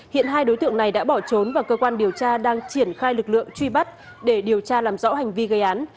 hiện hai đối tượng này đã bỏ trốn và cơ quan điều tra đang triển khai lực lượng truy bắt để điều tra làm rõ hành vi gây án